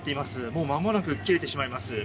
もうまもなく切れてしまいます。